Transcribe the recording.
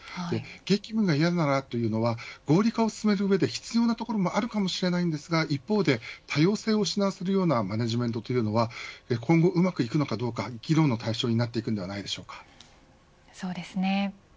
激務が嫌ならというのは合理化を進めるうえで必要なところもあるかもしれませんが、一方で多様性を失わせるようなマネジメントというのは今後うまくいくのか議論の対象になっていくのではそうですね。